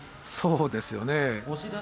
そうですね。